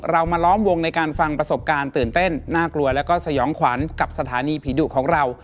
เรามาล้อมวงในการฟังประสบการณ์ตื่นเต้นน่ากลัวแล้วก็สยองขวัญกับสถานีผีดุของเรา